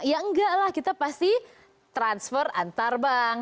ya enggak lah kita pasti transfer antar bank